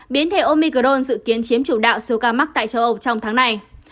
biến thể omicron dự kiến chiếm chủ đạo số ca mắc tại châu âu trong tháng này